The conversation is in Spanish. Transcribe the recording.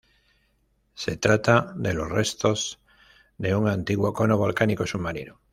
Se trata de los restos de un antiguo cono volcánico submarino.